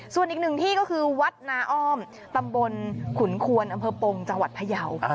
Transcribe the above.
ส่วนอีกหนึ่งที่ก็คือวัดนาอ้อมตำบลขุนควนอำเภอปงจังหวัดพยาว